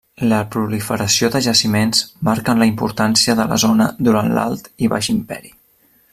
La proliferació de jaciments marquen la importància de la zona durant l'Alt i Baix Imperi.